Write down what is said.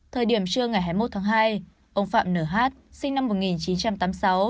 thời điểm trưa ngày hai mươi một tháng hai ông phạm nh sinh năm một nghìn chín trăm tám mươi sáu